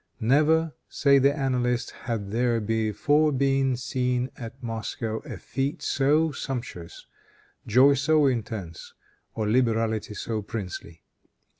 "Never," say the annalists, "had there before been seen at Moscow a fête so sumptuous, joy so intense, or liberality so princely."